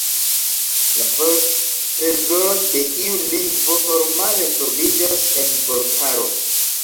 La vorttrezoro de iu lingvo – formale – troviĝas en vortaro.